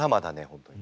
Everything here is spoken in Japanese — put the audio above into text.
本当に。